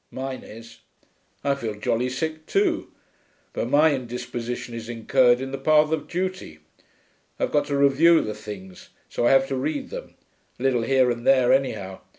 Mine is. I feel jolly sick too. But my indisposition is incurred in the path of duty. I've got to review the things, so I have to read them a little here and there, anyhow.